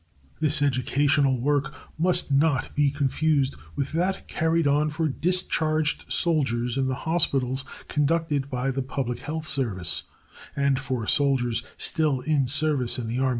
This educational work must not be confused with that carried on for discharged soldiers in the hospitals conducted by the Public Health Service, and for soldiers still in service in the Army hospitals.